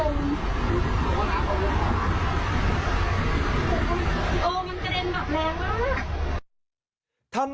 มันกระเด็นแบบแรงมาก